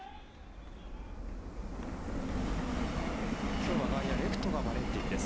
今日は外野レフトがバレンティンです。